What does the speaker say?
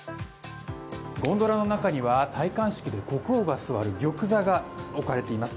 ゴンドラの中には戴冠式で国王が座る玉座が置かれています。